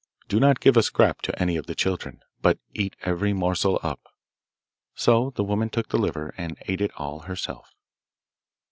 Do not give a scrap to any of the children, but eat every morsel up.' So the woman took the liver and ate it all herself.